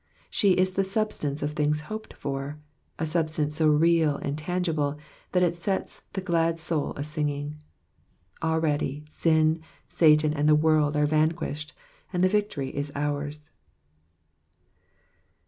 She is the substance of things hoped for— a substance so real and tangible, that it sets the glad soul a singing. Already sin, Satan, and the world are vanquished, and the victory is ours.